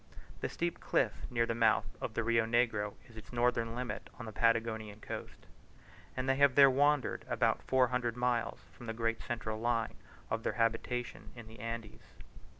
The steep cliff near the mouth of the Rio Negro is its northern limit on the Patagonian coast; and they have there wandered about four hundred miles from the great central line of their habitations in the Andes.